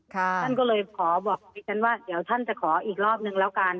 ท่านก็เลยขอบอกดิฉันว่าเดี๋ยวท่านจะขออีกรอบนึงแล้วกัน